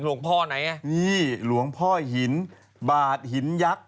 หลวงพ่อไหนอ่ะนี่หลวงพ่อหินบาทหินยักษ์